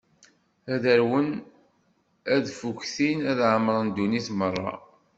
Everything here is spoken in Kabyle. Ad arwen, ad ffuktin, ad ɛemṛen ddunit meṛṛa.